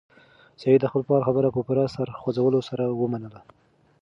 سعید د خپل پلار خبره په پوره سر خوځولو سره ومنله.